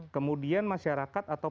kemudian masyarakat atau